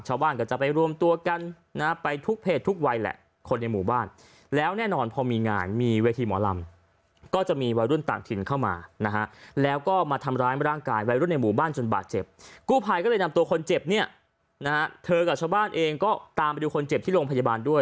เธอกับชาวบ้านเองก็ตามไปดูคนเจ็บที่โรงพยาบาลด้วย